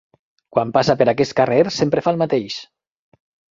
Quan passa per aquest carrer, sempre fa el mateix.